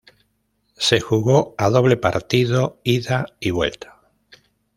Se jugó a doble partido ida y vuelta.